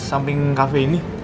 samping cafe ini